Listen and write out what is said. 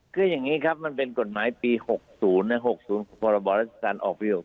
คืออย่างนี้ครับมันเป็นกฎหมายปี๖๐ปรัฐศิษฐานออกปี๖๐